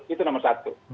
itu nomor satu